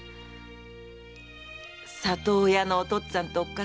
里親のお父っつぁんとおっか